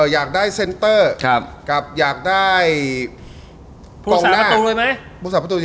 อยากได้เซนเตอร์อยากได้กองหน้า